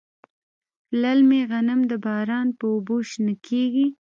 للمي غنم د باران په اوبو شنه کیږي.